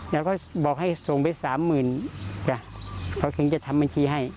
แล้วก็บอกให้ส่งไปสามหมื่นจ้ะเขาถึงจะทำบัญชีให้